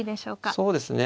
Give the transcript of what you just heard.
そうですね